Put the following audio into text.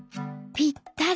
「ぴったり」。